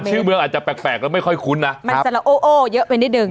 ชื่อเมืองอาจจะแปลกแล้วไม่ค่อยคุ้นนะมันจะละโอ้เยอะไปนิดนึง